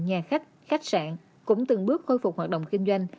nhà khách khách sạn cũng từng bước khôi phục hoạt động kinh doanh